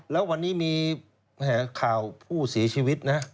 แล้ววันนี้มีข่าวผู้เสียชีวิตนะ